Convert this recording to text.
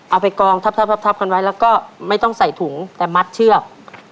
เอาไปกองทับกันไว้แล้วก็ไม่ต้องใส่ถุงแต่มัดเชือก